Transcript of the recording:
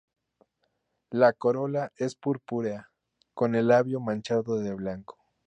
La corola es purpúrea, con el labio manchado de blanco.